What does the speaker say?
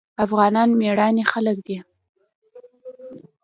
افغانان مېړني خلک دي.